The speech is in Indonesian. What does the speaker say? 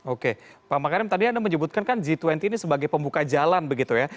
oke pak makarim tadi anda menyebutkan kan g dua puluh ini sebagai pembuka jalan begitu ya